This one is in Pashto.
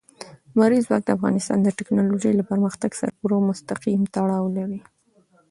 لمریز ځواک د افغانستان د تکنالوژۍ له پرمختګ سره پوره او مستقیم تړاو لري.